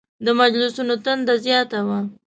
د مجلسونو تنده زیاته وه.